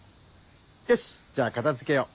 よしじゃあ片付けよう。